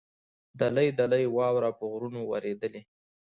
دلۍ دلۍ واوره په غرونو ورېدلې.